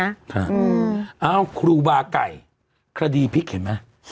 เอ้าครูบาไก่คดีพลิกเห็นไหม